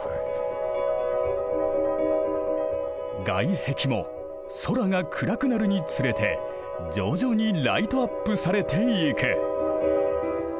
外壁も空が暗くなるにつれて徐々にライトアップされていく。